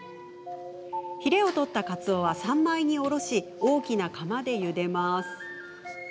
ひれを取ったかつおは三枚に下ろし大きな釜でゆでます。